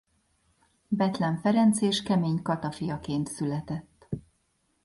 Bethlen Ferenc és Kemény Kata fiaként született.